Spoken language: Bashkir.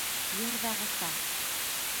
Йырҙағыса.